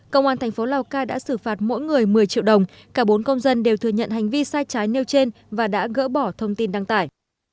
công an thành phố lào cai đã xử phạt mỗi người một mươi triệu đồng cả bốn công dân đều thừa nhận hành vi sai trái nêu trên và đã gỡ bỏ thông tin đăng tải